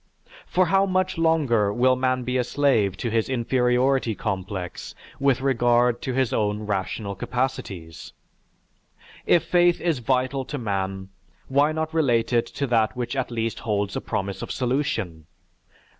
For how much longer will man be a slave to his inferiority complex with regard to his own rational capacities? If faith is vital to man, why not relate it to that which at least holds a promise of solution?